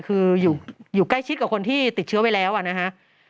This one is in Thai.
คืออยู่ใกล้ชิดกับคนที่ติดเชื้อไปแล้วนะฮะ